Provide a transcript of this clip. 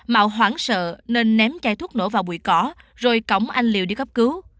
mạo sợ nên ném chai thuốc nổ vào bụi cỏ rồi cổng anh liều đi cấp cứu